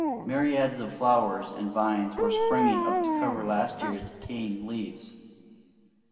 Myriads of flowers and vines were springing up to cover last year's decaying leaves.